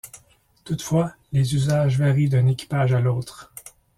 Toutefois, les usages varient d'un équipage à l'autre.